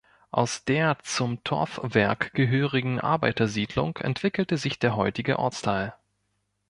Aus der zum Torfwerk gehörigen Arbeitersiedlung entwickelte sich der heutige Ortsteil.